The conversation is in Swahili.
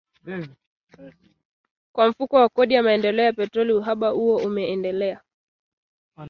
kwa Mfuko wa Kodi ya Maendeleo ya Petroli uhaba huo umeendelea